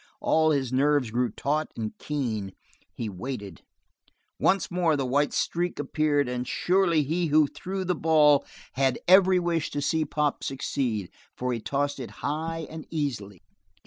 All his nerves grew taut and keen. He waited. Once more the white streak appeared and surely he who threw the ball had every wish to see Pop succeed, for he tossed it high and easily.